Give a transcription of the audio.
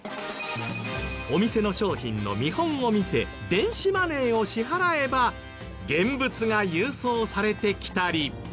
お店の商品の見本を見て電子マネーを支払えば現物が郵送されてきたり。